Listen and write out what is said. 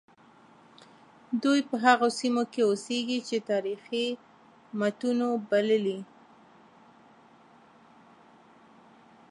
دوی په هغو سیمو کې اوسیږي چې تاریخي متونو بللي.